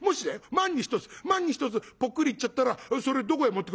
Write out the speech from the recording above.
万に一つ万に一つぽっくりいっちゃったらそれどこへ持ってこようか。